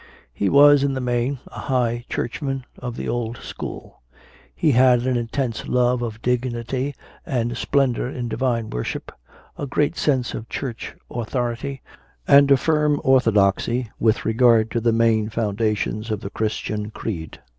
He was, in the main, a High Churchman of the old school; he had an intense love of dignity and splendour in divine worship, a great sense of Church authority, and a firm orthodoxy with regard to the main foundations of the Christian Creed.